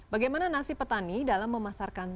bagaimana nasib petani dalam memasarkan